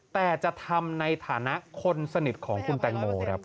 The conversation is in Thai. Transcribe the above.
แต่จะทำในฐานะคนสนิทของคุณแตงโมครับ